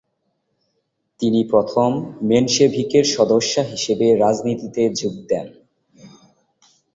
তিনি প্রথম মেনশেভিকের সদস্যা হিসাবে রাজনীতিতে যোগ দেন।